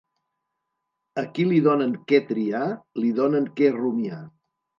A qui li donen què triar, li donen què rumiar.